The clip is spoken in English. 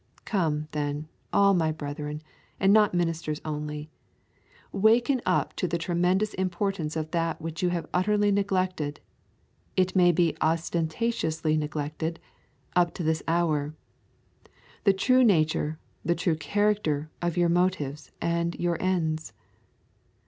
Come, then, all my brethren, and not ministers only, waken up to the tremendous importance of that which you have utterly neglected, it may be ostentatiously neglected, up to this hour, the true nature, the true character, of your motives and your ends.